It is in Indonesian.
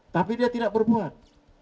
tapi dia tidak berbuat